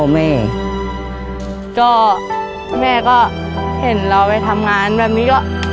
แม่ก็เห็นเราไปทำงานแบบนี้